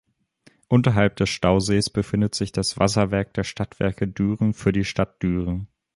Unterhalb des Stausees befindet sich das Wasserwerk der Stadtwerke Düren für die Stadt Düren.